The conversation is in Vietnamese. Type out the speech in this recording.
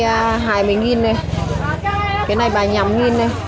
cái này là năm đồng